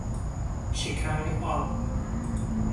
شکر آب